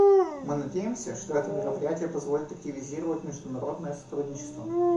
Мы надеемся, что это мероприятие позволит активизировать международное сотрудничество.